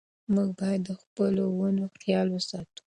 موږ باید د خپلو ونو خیال وساتو.